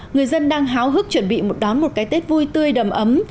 người dân đang háo hức chuẩn bị một đón một cái tết vui tươi đầm ấm